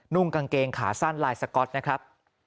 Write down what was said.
่งกางเกงขาสั้นลายสก๊อตนะครับ